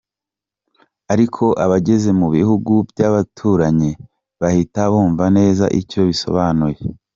Ariko abageze mu bihugu by’abaturanyi bahita bumva neza icyo bisobanuye.